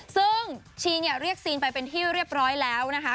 ซึ่งชีเนี่ยเรียกซีนไปเป็นที่เรียบร้อยแล้วนะคะ